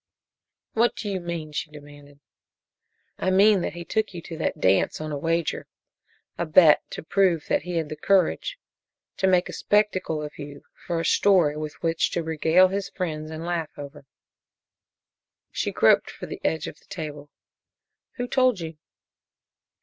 "What do you mean?" she demanded. "I mean that he took you to that dance on a wager a bet to prove that he had the courage. To make a spectacle of you for a story with which to regale his friends and laugh over." She groped for the edge of the table. "Who told you?"